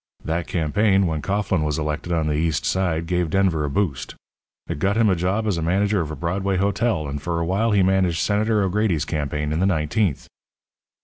That campaign, when Coughlin was elected on the East Side, gave Denver a boost. It got him a job as manager of a Broadway hotel, and for a while he managed Senator O'Grady's campaign in the nineteenth.